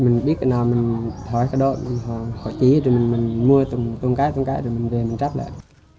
mình biết là mình hỏi cái đó mình hỏi chí rồi mình mua từng cái từng cái rồi mình về mình tráp lại